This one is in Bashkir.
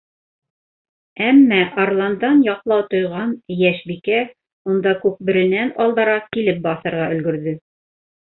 Әммә арландан яҡлау тойған Йәшбикә унда Күкбүренән алдараҡ килеп баҫырға өлгөрҙө.